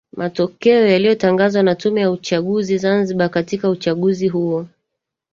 Matokeo yaliyotangazwa na Tume ya Uchaguzi Zanzibar katika uchaguzi huo